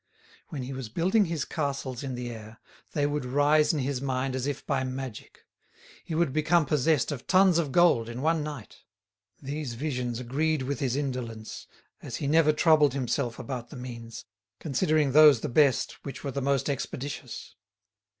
When he was building his castles in the air, they would rise in his mind as if by magic; he would become possessed of tons of gold in one night. These visions agreed with his indolence, as he never troubled himself about the means, considering those the best which were the most expeditious.